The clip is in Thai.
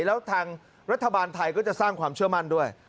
แล้วทางรัฐบาลไทยก็จะสร้างความเชื่อมั่นด้วย